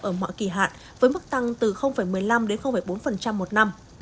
ở mọi kỳ hạn với mức tăng từ một mươi năm đến bốn một năm